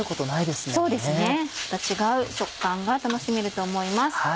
また違う食感が楽しめると思います。